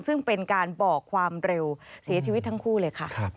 ซึ่งเป็นการบอกความเร็วเสียชีวิตทั้งคู่เลยค่ะ